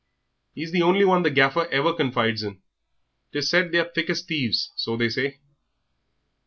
He's the only one the Gaffer ever confides in. 'Tis said they are as thick as thieves, so they say.